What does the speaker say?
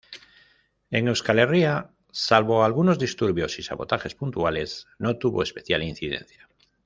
En Euskal Herria, salvo algunos disturbios y sabotajes puntuales no tuvo especial incidencia.